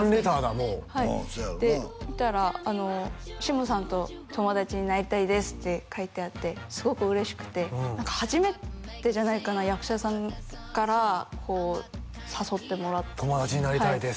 もううんそうやろうなそしたら「シムさんと友達になりたいです」って書いてあってすごく嬉しくて初めてじゃないかな役者さんからこう誘ってもらった「友達になりたいです」